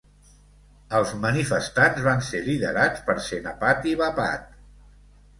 Els manifestants van ser liderats per Senapati Bapat.